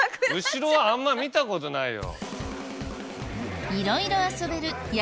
後ろはあんまり見たことないよ。